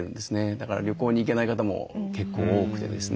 だから旅行に行けない方も結構多くてですね。